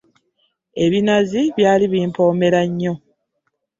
Ebinazi byali bimpomera nnyo.